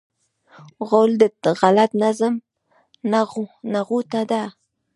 غول د غلط نظم نغوته ده.